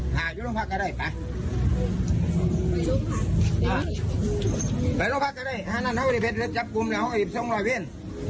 ห้านั่นอันฮุดิเฟทลกจับกว้มแล้วอีบช่องหลายเวียน